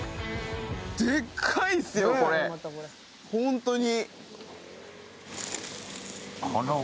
ホントに。